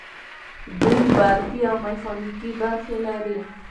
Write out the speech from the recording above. دوی برقي او میخانیکي برخې لري.